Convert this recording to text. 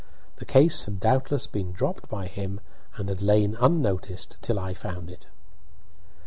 The case had doubtless been dropped by him, and had lain unnoticed till I found it.